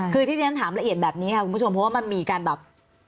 คือที่เรียนถามละเอียดแบบนี้ค่ะคุณผู้ชมเพราะว่ามันมีการแบบ